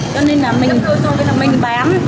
cho nên là mình bán